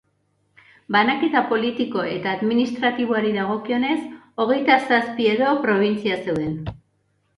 Banaketa politiko eta administratiboari dagokionez, hogeita zazpi edo probintzia zeuden.